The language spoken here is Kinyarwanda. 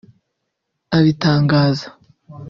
abitangaza